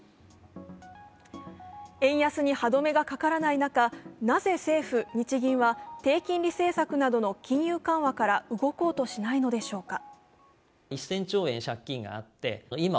円安に歯止めがかからない中、なぜ政府・日銀は低金利政策などの金融緩和から動こうとしないのでしょうか。